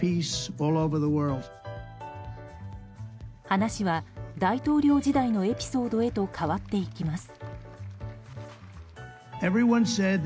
話は大統領時代のエピソードへと変わっていきます。